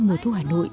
mùa thu hà nội